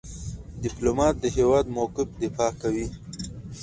ډيپلومات د هیواد موقف دفاع کوي.